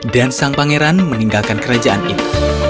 dan sang pangeran meninggalkan kerajaan itu